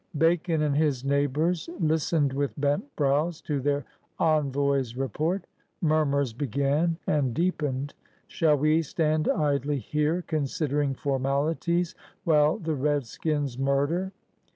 Bacon and his neighbors listened with bent brows to their envoy's re port. Murmurs began and deepened. "Shall we stand idly here considering formalities, while the redskins murder?"